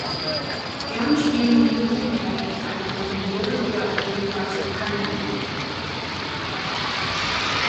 Gern spielen die Begebenheiten in einem familiären oder jedenfalls bekannten Umfeld.